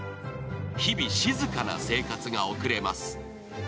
日々、静かな生活を送れます。